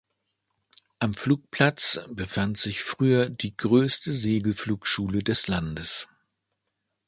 Am Flugplatz befand sich früher die größte Segelflugschule des Landes.